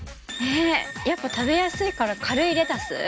えやっぱ食べやすいから軽いレタス？